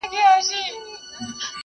کي د خوشخویه، نېک او مهربان معنا لري.